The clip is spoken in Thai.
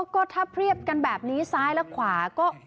ก็ถ้าเพรียบกันแบบนี้ซ้ายและขวาก็